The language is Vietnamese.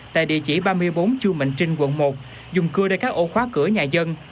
tại địa chỉ ba mươi bốn chu mạnh trinh quận một dùng cưa để các ô khóa cửa nhà dân